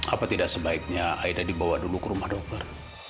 apa tidak sebaiknya aida dibawa dulu ke rumah dokter